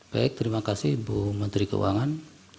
baik terima kasih ibu menteri keuangan